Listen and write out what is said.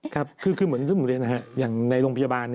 ครับคือเหมือนเรื่องเรื่องโรงพยาบาล